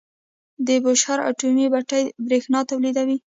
د بوشهر اټومي بټۍ بریښنا تولیدوي.